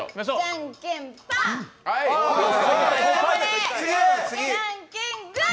じゃんけん、グー！